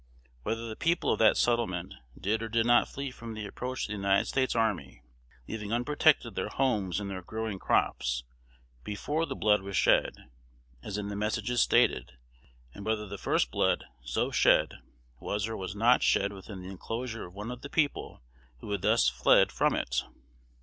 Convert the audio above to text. Whether the people of that settlement did or did not flee from the approach of the United States army, leaving unprotected their homes and their growing crops, before the blood was shed, as in the Messages stated; and whether the first blood, so shed, was or was not shed within the enclosure of one of the people who had thus fled from it.